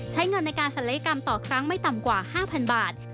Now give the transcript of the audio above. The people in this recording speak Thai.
ใช้เงินในการศัลยกรรมต่อครั้งไม่ต่ำกว่า๕๐๐๐บาท